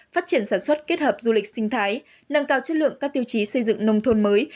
phát triển sản xuất kết hợp du lịch sinh thái nâng cao chất lượng các tiêu chí xây dựng nông thôn mới